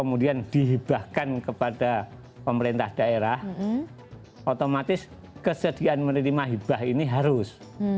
kemudian dihibahkan kepada pemerintah daerah otomatis kesediaan menerima hibah ini harus